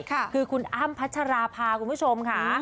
คือคุณอ้ำพัชราภาคุณผู้ชมค่ะ